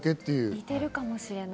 似ているかもしれない。